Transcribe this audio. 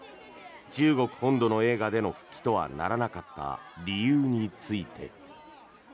中国本土の映画での復帰とはならなかった理由について。